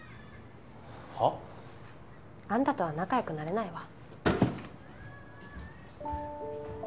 はあ？あんたとは仲良くなれないわ。